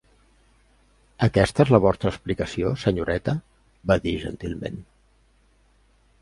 "Aquesta és la vostra explicació, senyoreta", va dir gentilment.